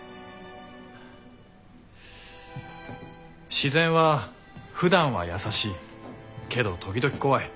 自然はふだんは優しいけど時々怖い。